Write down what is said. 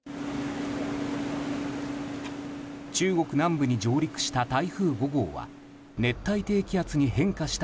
中国南部に上陸した台風５号は熱帯低気圧に変化した